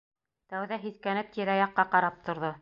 Тәүҙә һиҫкәнеп тирә-яҡҡа ҡарап торҙо.